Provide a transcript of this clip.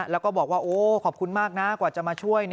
แล้วก็บอกว่าโอ้ขอบคุณมากนะกว่าจะมาช่วย